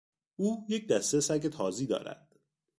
او یک دسته سگ تازی دارد.